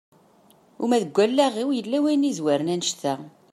Uma deg wallaɣ-iw yella wayen yezwaren annect-a.